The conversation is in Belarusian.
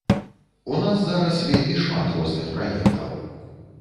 У нас зараз вельмі шмат розных праектаў.